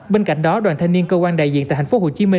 bên cạnh đó đoàn thanh niên cơ quan đại diện tại tp hcm